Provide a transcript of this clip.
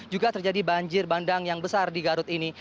juga terjadi banjir bandang yang besar di garut ini